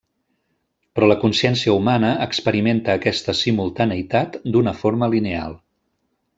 Però la consciència humana experimenta aquesta simultaneïtat d'una forma lineal.